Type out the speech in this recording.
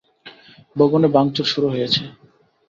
ভবনে ভাঙচুর শুরু হয়েছে।